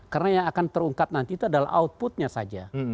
karena yang akan terungkap nanti itu adalah outputnya saja